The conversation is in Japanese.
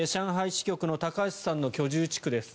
支局の高橋さんの居住地区です。